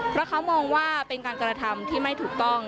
เพราะเขามองว่าเป็นการกระทำที่ไม่ถูกต้อง